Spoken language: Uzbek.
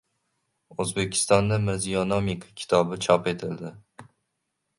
O‘zbekistonda "Mirziyonomika" kitobi chop etildi